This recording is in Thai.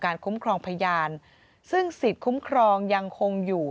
คุ้มครองพยานซึ่งสิทธิ์คุ้มครองยังคงอยู่